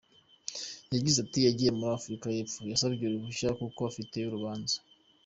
Yagize ati “Yagiye muri Afurika y’Epfo, yasabye uruhushya kuko afiteyo urubanza.